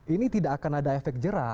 ini tidak akan ada efek jerah